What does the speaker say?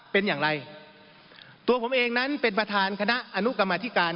เป็นอย่างไรตัวผมเองนั้นเป็นประธานคณะอนุกรรมธิการ